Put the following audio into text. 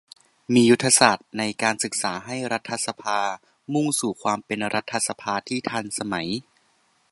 มียุทธศาสตร์ในการศึกษาให้รัฐสภามุ่งสู่ความเป็นรัฐสภาที่ทันสมัย